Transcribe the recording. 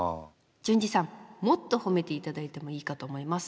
淳二さんもっとほめていただいてもいいかと思います。